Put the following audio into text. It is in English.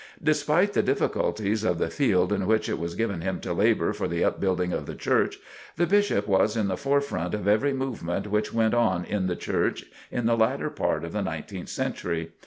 Despite the difficulties of the field in which it was given him to labor for the upbuilding of the Church, the Bishop was in the forefront of every movement which went on in the Church in the latter part of the nineteenth century.